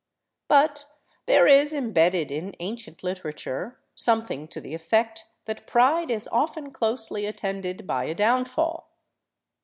But there is imbedded in ancient literature something to the effect that pride is often closely attended by a downfall.